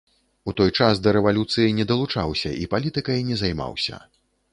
У той час да рэвалюцыі не далучаўся і палітыкай не займаўся.